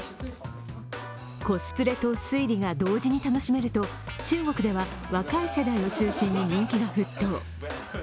コスプレと推理が同時に楽しめると、中国では若い世代を中心に人気が沸騰。